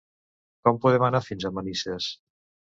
Com podem anar fins a Manises?